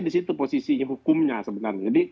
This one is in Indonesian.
di situ posisi hukumnya sebenarnya